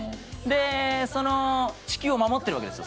地球を守ってるわけですよ。